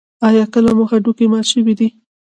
ایا کله مو هډوکی مات شوی دی؟